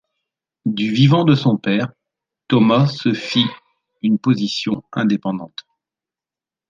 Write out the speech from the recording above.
Du vivant de son père, Thomas se fit une position indépendante.